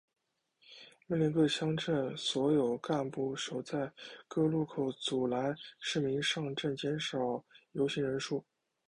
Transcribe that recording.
命令各乡镇所有干部守在各路口阻拦市民上镇减少游行人数。